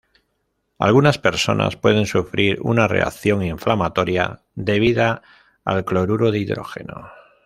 Algunas personas pueden sufrir una reacción inflamatoria debida al cloruro de hidrógeno.